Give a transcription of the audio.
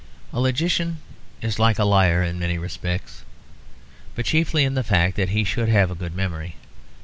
A logician is like a liar in many respects, but chiefly in the fact that he should have a good memory.